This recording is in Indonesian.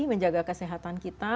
menjaga kesehatan kita